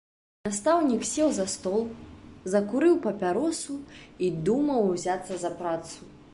Настаўнік сеў за стол, закурыў папяросу і думаў узяцца за працу.